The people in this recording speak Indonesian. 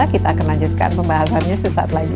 kita akan lanjutkan pembahasannya sesaat lagi